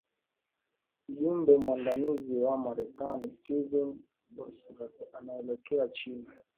mjumbe mwandamizi wa marekani stephen boswath anaelekea china